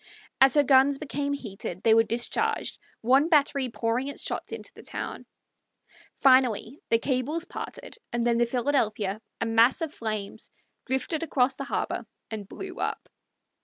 As her guns became heated they were discharged, one battery pouring its shots into the town. Finally the cables parted, and then the Philadelphia, a mass of flames, drifted across the harbor, and blew up.